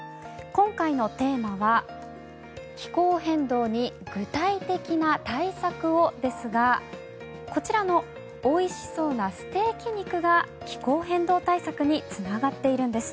今回のテーマは「気候変動に具体的な対策を」ですがこちらのおいしそうなステーキ肉が気候変動対策につながっているんです。